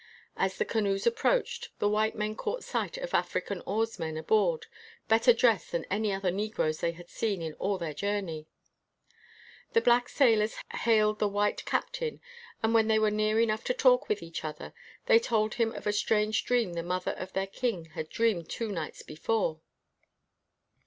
As the canoes approached, the white men caught sight of African oarsmen aboard better dressed than any other negroes they had seen in all their journey. The black sailors hailed the white cap tain, and when they were near enough to talk with each other, they told him of a strange dream the mother of their king had dreamed two nights before.